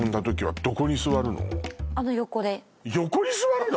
横に座るの！？